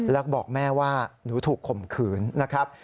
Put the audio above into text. แล้วบอกแม่ว่าหนูถูกข่มขืนนะครับ